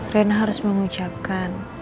reina harus mengucapkan